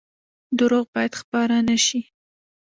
دروغ باید خپاره نشي